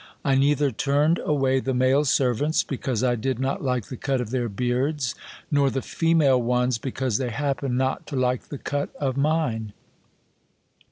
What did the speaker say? I neither turned away the male servants, because I did not like the cut of their beards, nor the female ones because they happened not to like the cut of mine.